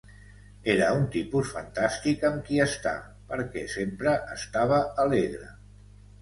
Era un tipus fantàstic amb qui estar perquè sempre estava alegre.